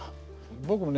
僕もね